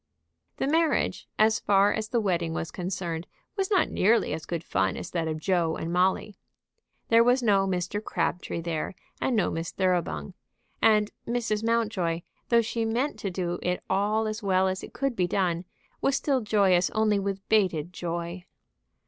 The marriage, as far as the wedding was concerned, was not nearly as good fun as that of Joe and Molly. There was no Mr. Crabtree there, and no Miss Thoroughbung. And Mrs. Mountjoy, though she meant to do it all as well as it could be done, was still joyous only with bated joy.